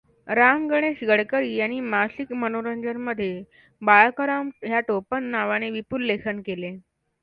राम गणेश गडकर् यांनी मासिक मनोरंजन मध्ये बाळकराम ह्या टोपण नावाने विपुल लेखन केले.